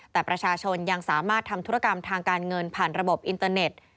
แต่ประชาชนยังสามารถทำธุรกรรมทางการเงินผ่านระบบอินเตอร์เน็ต